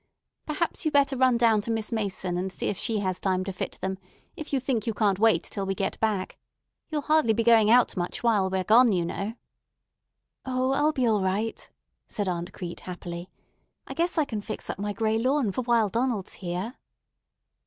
Perhaps you better run down to Miss Mason, and see if she has time to fit them, if you think you can't wait till we get back. You'll hardly be going out much while we're gone, you know." "O, I'll be all right," said Aunt Crete happily. "I guess I can fix up my gray lawn for while Donald's here."